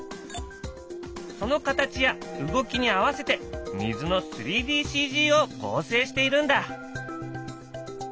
その形や動きに合わせて水の３ＤＣＧを合成しているんだ！